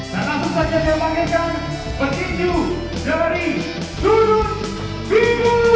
dan langsung saja kita panggilkan petikju dari turun bimbu